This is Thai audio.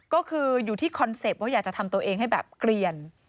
ก็คืออยู่ที่คอนเซ็ปต์ว่าอยากจะทำตัวเองให้แบบเกลียน